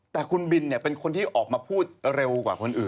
แต่คุณบินเป็นคนที่ออกมาพูดเร็วกว่าคนอื่น